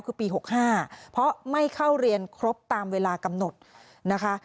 คือปี๖๕เพราะไม่เข้าเรียนครบตามเวลากำหนดนะคะ